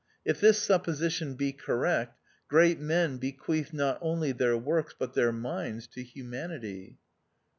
If this supposi tion be correct, great men bequeath not only their works but their minds to Humanitv."